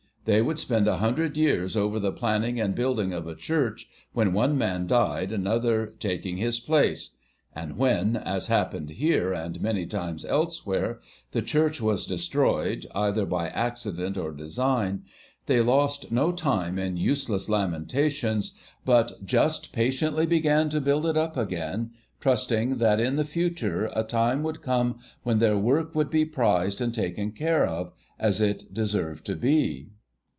They would spend a hundred years over the planning and building of a church, when one man died another taking his place; and when as happened here, and many times elsewhere the church was destroyed, either by accident or design, they lost no time in useless lamentations, but just patiently began to build it up again, trusting that in the future a time would come when their work would be prized and taken care of, as it deserved to be.